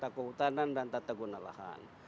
takut tanam dan takut guna lahan